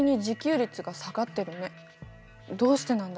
どうしてなんだろう？